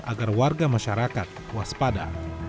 agar warga masyarakat waspada